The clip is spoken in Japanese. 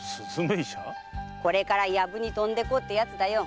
これから薮に飛んでこうってやつだよ。